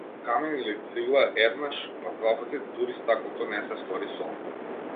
Камен или цигла, еднаш, па двапати, дури стаклото не се стори сол.